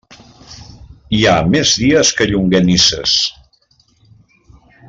Hi ha més dies que llonganisses.